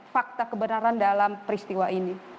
fakta kebenaran dalam peristiwa ini